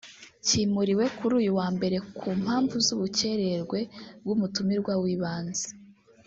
kimuriwe kuri uyu wa Mbere ku mpamvu z’ubucyererwe bw’umutumirwa w’ibanze